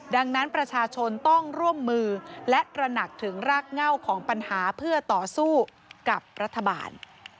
ดังนั้นประชาชนต้องร่วมมือและตระหนักถึงรากเง่าของปัญหาเพื่อต่อสู้กับรัฐบาล